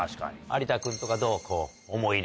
有田君とかどう？